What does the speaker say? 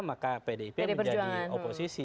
maka pdip menjadi oposisi